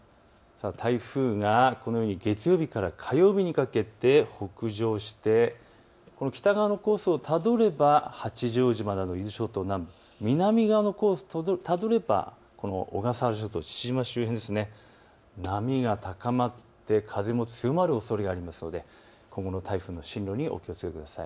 台風が月曜日から火曜日にかけて北上して北側のコースをたどれば八丈島など伊豆諸島南部、南側のコースをたどれば小笠原諸島、父島周辺、波が高まって風も強まるおそれがあるので今後の台風の進路にお気をつけください。